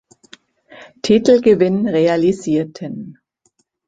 Titelgewinn realisierten.